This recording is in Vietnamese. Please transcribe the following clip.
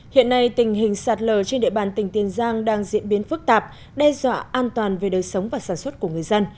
hiện nay tình hình sạt lở trên địa bàn tỉnh tiền giang đang diễn biến phức tạp đe dọa an toàn về đời sống và sản xuất của người dân